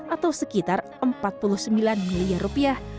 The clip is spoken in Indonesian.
atau sekitar empat puluh sembilan miliar rupiah